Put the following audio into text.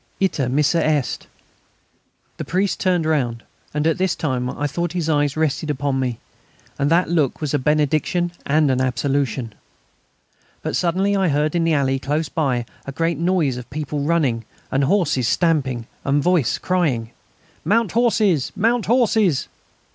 "Ite, missa est...." The priest turned round; and this time I thought his eyes rested upon me, and that the look was a benediction and an absolution. But suddenly I heard in the alley close by a great noise of people running and horses stamping, and a voice crying: "Mount horses!... Mount horses!"